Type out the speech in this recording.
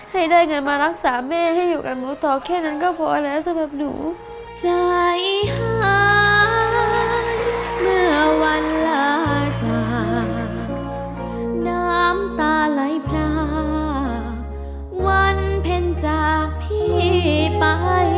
ให้ได้เงินมารักษาแม่ให้อยู่กับหมอตอแค่นั้นก็พอแล้วสำหรับหนู